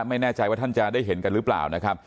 ไม่แน่ใจว่าท่านจะได้เห็นกันหรือเปล่านะครับ